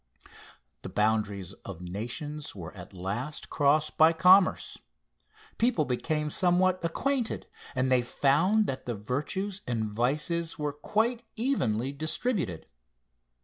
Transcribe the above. The boundaries of nations were at last crossed by commerce. People became somewhat acquainted, and they found that the virtues and vices were quite evenly distributed.